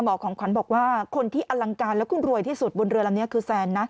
ของขวัญบอกว่าคนที่อลังการและคุณรวยที่สุดบนเรือลำนี้คือแฟนนะ